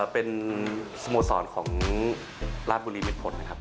เป็นสมสรรค์ของราชบุรีมิดผลนะครับ